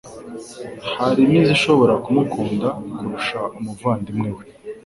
hari n’izishobora kumukunda kurusha umuvandimwe we